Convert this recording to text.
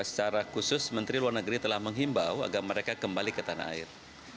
secara khusus menteri luar negeri telah menghimbau agar mereka kembali ke tanah air